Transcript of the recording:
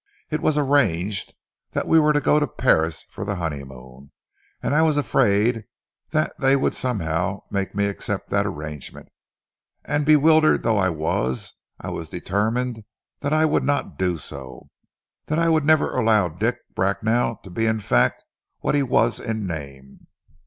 It was arranged that we were to go to Paris for the honeymoon; and I was afraid that they would somehow make me accept that arrangement, and bewildered though I was, I was determined that I would not do so, that I would never allow Dick Bracknell to be in fact what he was in name....